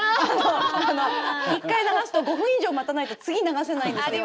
１回流すと５分以上待たないと次流せないんですよ。